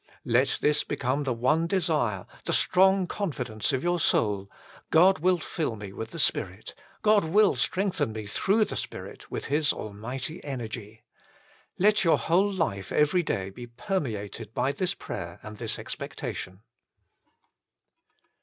Let this become the one desire, the strong confidence of your soul : "God will fill me with the Spirit: God will strengthen me through the Spirit with His Almighty energy." Let your whole life every day be permeated by this prayer and this expectation.